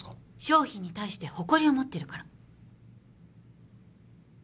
商品に対して誇りを持ってるから。